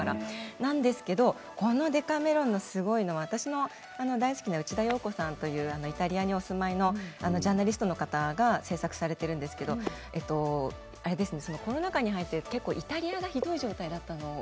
なんですけれどもこの「デカメロン」のすごいのは私の大好きな向田邦子さんというイタリアにお住まいのジャーナリストの方が制作しているんですがコロナ禍に入ってイタリアがひどい状態になったんです。